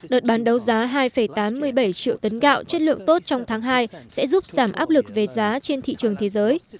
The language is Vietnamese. đợt bán đấu giá hai tám mươi bảy triệu tấn gạo chất lượng tốt trong tháng hai sẽ giúp giảm áp lực về giá trên thị trường thế giới